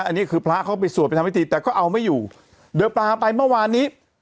อันนี้คือพระเขาไปสวดไปทำพิธีแต่ก็เอาไม่อยู่เดี๋ยวปลาไปเมื่อวานนี้